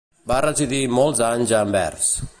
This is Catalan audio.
Va residir molts anys a Anvers.